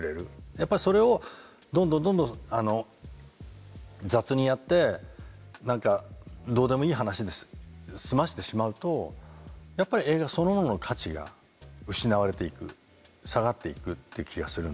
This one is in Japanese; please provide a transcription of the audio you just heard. やっぱりそれをどんどんどんどん雑にやって何かどうでもいい話で済ませてしまうとやっぱり映画そのものの価値が失われていく下がっていくって気がするんで。